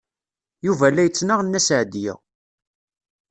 Yuba la yettnaɣ Nna Seɛdiya.